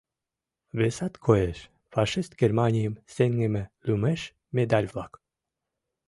Весат коеш: фашист Германийым сеҥыме лӱмеш медаль-влак.